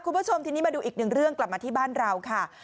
คุณผู้ชมทีนี้มาดูอีกหนึ่งเรื่องกลับมาที่บ้านเราค่ะ